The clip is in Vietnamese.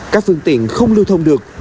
các phân tiện không lưu thông được